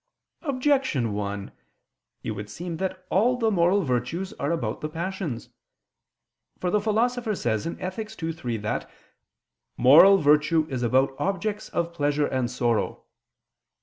Objection 1: It would seem that all the moral virtues are about the passions. For the Philosopher says (Ethic. ii, 3) that "moral virtue is about objects of pleasure and sorrow."